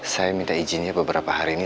saya minta izinnya beberapa hari ini